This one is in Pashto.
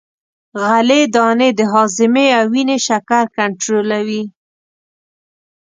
غلې دانې د هاضمې او وینې شکر کنترولوي.